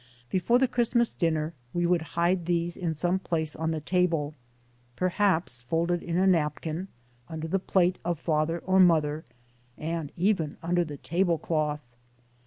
Before the Christmas dinner, we would hide these in some place on the table, perhaps folded in a napkin, under the plate of father or mother, and even under the tablecloth.